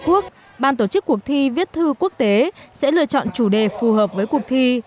hàn quốc ban tổ chức cuộc thi viết thư quốc tế sẽ lựa chọn chủ đề phù hợp với cuộc thi